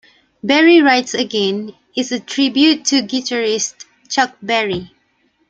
"Berry Rides Again" is a tribute to guitarist Chuck Berry.